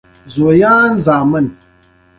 د شولو نهال وروسته کاکړ په ډډي سیند کې لامبل.